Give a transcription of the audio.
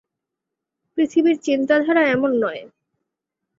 পৃথিবীর চিন্তাধারা এমন নয়।